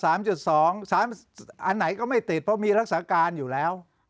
อันไหนก็ไม่ติดเพราะมีรักษาการอยู่แล้ว